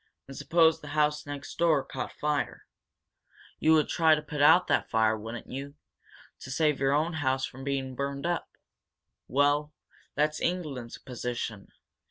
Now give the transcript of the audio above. And suppose the house next door caught fire. You would try to put out that fire, wouldn't you, to save your own house from being burned up? Well, that's England's position.